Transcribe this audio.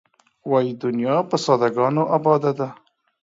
وایې دنیا په ساده ګانو آباده ده.